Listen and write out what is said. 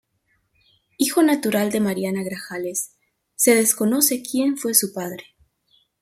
Hijo natural de Mariana Grajales, se desconoce quien fue su padre.